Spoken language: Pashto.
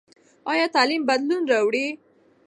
ایا تعلیم بدلون راولي؟